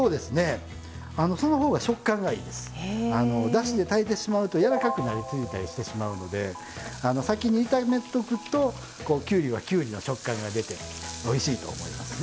だしで炊いてしまうと柔らかくなりすぎたりしてしまうので先に炒めとくときゅうりはきゅうりの食感が出ておいしいと思いますね。